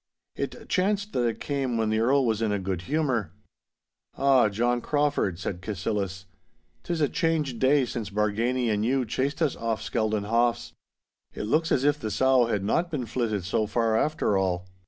It chanced that it came when the Earl was in a good humour. 'Ah, John Crauford,' said Cassillis, ''tis a changed day since Bargany and you chased us off Skeldon Haughs. It looks as if the sow had not been flitted so far after all.